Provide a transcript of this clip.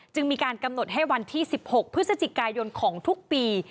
มีการกำหนดให้วันที่๑๖พฤศจิกายนของทุกปี